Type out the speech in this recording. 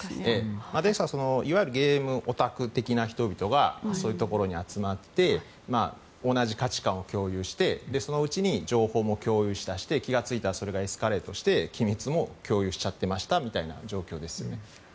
ですから、いわゆるゲームオタク的な人々がそういうところに集まって同じ価値観を共有してそのうちに情報も共有し出して気が付いたらそれがエスカレートして機密も共有しちゃってましたみたいな状況ですね。